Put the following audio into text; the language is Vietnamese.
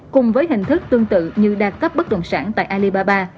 cùng với hình thức tương tự như đa cấp bất động sản tại alibaba